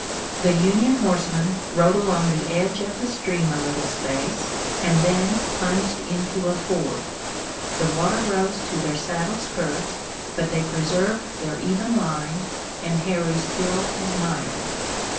The Union horsemen rode along the edge of the stream a little space, and then plunged into a ford. The water rose to their saddle skirts, but they preserved their even line and Harry still admired.